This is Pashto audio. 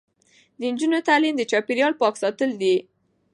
د نجونو تعلیم د چاپیریال پاک ساتل دي.